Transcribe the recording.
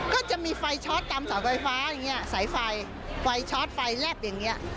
ก็จะมีไฟช็อตตามเสาไฟฟ้าอย่างเงี้สายไฟไฟช็อตไฟแลบอย่างเงี้ย